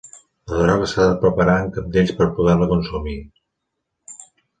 La droga s'ha de preparar en cabdells per poder-la consumir.